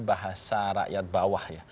bahasa rakyat bawah